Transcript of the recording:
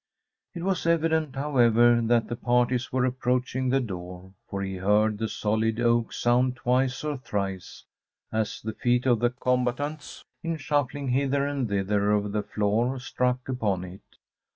It was evident, however, that the parties were approaching the door, for he heard the solid oak sound twice or thrice, as the feet of the combatants, in shuffling hither and thither over the floor, struck upon it.